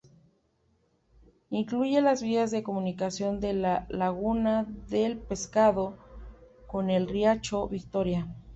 Incluye las vías de comunicación de la laguna del Pescado con el riacho Victoria.